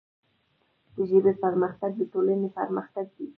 د ژبې پرمختګ د ټولنې پرمختګ دی.